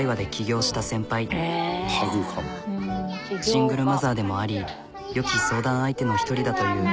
シングルマザーでもあり良き相談相手の１人だという。